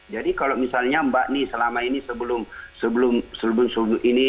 jadi kalau misalnya mbak nih selama ini sebelum sebelum sebelum ini